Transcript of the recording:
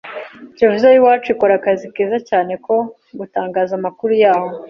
Televiziyo yiwacu ikora akazi keza cyane ko gutangaza amakuru yaho.